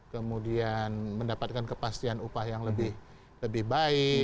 kemudian mendapatkan kepastian upah yang lebih baik